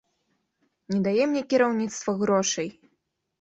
Не дае мне кіраўніцтва грошай.